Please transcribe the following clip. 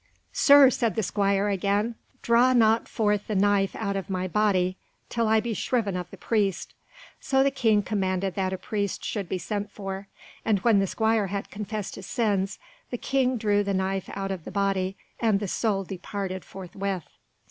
"Sir," said the squire again, "draw not forth the knife out of my body till I be shriven of the priest." So the King commanded that a priest should be sent for, and when the squire had confessed his sins, the King drew the knife out of the body and the soul departed forthwith.